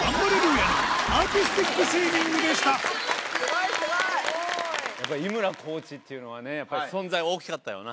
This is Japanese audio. やっぱり井村コーチっていうのはね、やっぱり存在、大きかったよな。